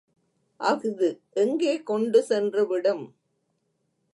அஃது எங்கே கொண்டு சென்றுவிடும்?